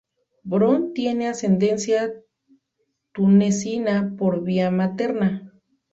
Bronn tiene ascendencia tunecina por vía materna.